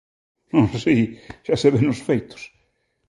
Non, si, ¡xa se ve nos feitos!